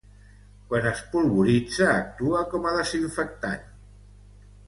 Quan es polvoritza, actua com a desinfectant.